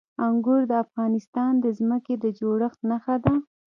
انګور د افغانستان د ځمکې د جوړښت نښه ده.